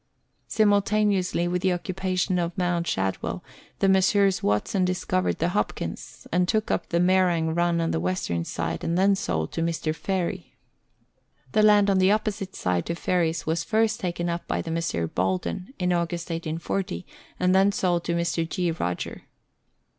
Simultaneously with the occupation of Mount Shadwell the Messrs. Watson discovered the Hopkins, and took up the Merang run on the western side, and then sold to Mr. Farie. The land on the opposite side to Farie's was first taken up by the Messrs. Bolden, in August 1840, and then sold to Mr. G. Rodger.